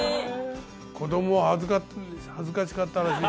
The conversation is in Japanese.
子供は恥ずかしかったらしい。